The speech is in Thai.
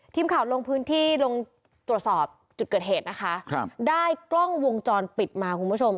ทีมข่าวลงพื้นที่ลงตรวจสอบจุดเกิดเหตุนะคะครับได้กล้องวงจรปิดมาคุณผู้ชม